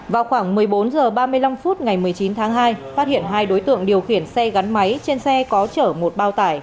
vào khoảng một mươi bốn h ba mươi năm phút ngày một mươi chín tháng hai phát hiện hai đối tượng điều khiển xe gắn máy trên xe có chở một bao tải